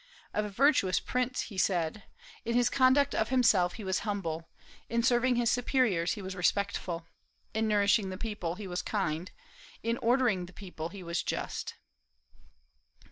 '" Of a virtuous prince, he said: "In his conduct of himself, he was humble; in serving his superiors, he was respectful; in nourishing the people, he was kind; in ordering the people, he was just."